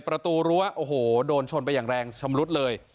ประตูรั้วโอ้โหโดนชนไปอย่างแรงชำรุดเลย